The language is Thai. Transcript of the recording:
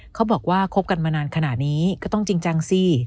เขาบอกว่าคบกันมานานขนาดนี้ก็ต้องจริงจังสิ